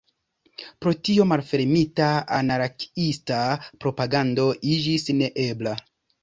Pro tio malfermita anarkiista propagando iĝis neebla.